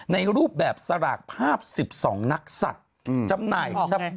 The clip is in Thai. ในรูปแบบสลากภาพ๑๒นักศัตริย์